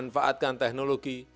menjaga kekuasaan teknologi